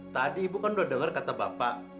tadi ibu kan udah dengar kata bapak